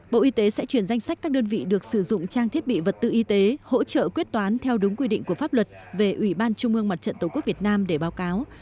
bộ y tế sẽ chuyển danh sách các đơn vị được sử dụng trang thiết bị vật tư y tế hỗ trợ quyết toán theo đúng quy định của pháp luật về ủy ban trung ương mặt trận tổ quốc việt nam để báo cáo